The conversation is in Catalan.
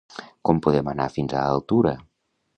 Com podem anar fins a Altura?